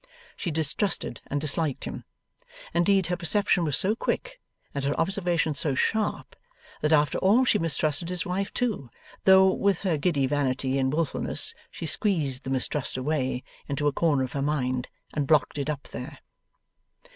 She distrusted and disliked him. Indeed, her perception was so quick, and her observation so sharp, that after all she mistrusted his wife too, though with her giddy vanity and wilfulness she squeezed the mistrust away into a corner of her mind, and blocked it up there.